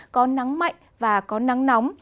có nắng mạnh và có nắng nóng